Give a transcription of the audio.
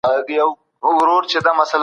څېړونکی به د داستان زمانه په پام کې نیسي.